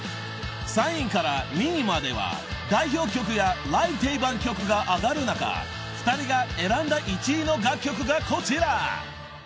［３位から２位までは代表曲やライブ定番曲が挙がる中２人が選んだ１位の楽曲がこちら］